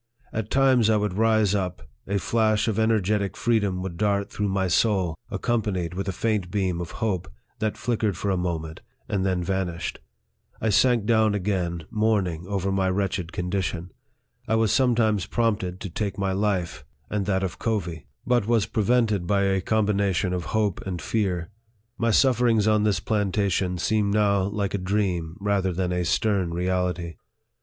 At times I would rise up, a flash of energetic freedom would dart through my soul, accompanied with a faint beam of hope, that flickered for a moment, and then vanished. I sank down again, mourning over my wretched condition. I was some times prompted to take my life, and that of Covey, but 64 NARRATIVE OF THE was prevented by a combination of hope and fear My sufferings on this plantation seem now like a dream rather than a stern reality.